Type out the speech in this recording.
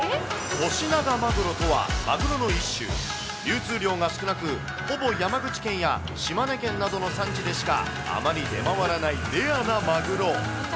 コシナガマグロとは、マグロの一種、流通量が少なく、ほぼ山口県や、島根県などの産地でしか、あまり出回らないレアなマグロ。